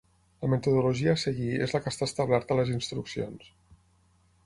La metodologia a seguir és la que està establerta a les Instruccions.